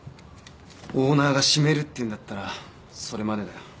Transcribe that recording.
オーナーが閉めるって言うんだったらそれまでだよ。